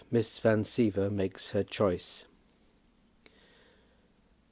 MISS VAN SIEVER MAKES HER CHOICE.